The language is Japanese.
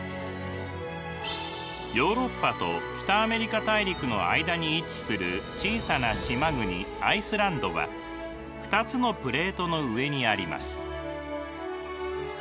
ヨーロッパと北アメリカ大陸の間に位置する小さな島国アイスランドは２つのプレートの上にあります。